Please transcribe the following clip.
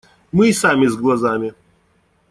Мы и сами с глазами.